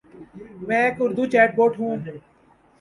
میں ایک Urdu chat bot ہوں۔